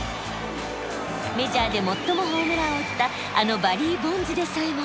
メジャーで最もホームランを打ったあのバリー・ボンズでさえも。